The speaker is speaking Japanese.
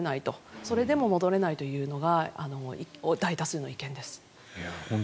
それでも戻れないというのが大多数の意見です。